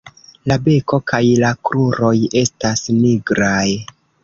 La beko kaj la kruroj estas nigraj.